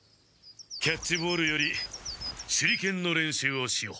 キャッチボールより手裏剣の練習をしよう。